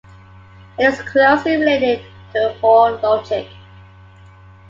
It is closely related to Hoare logic.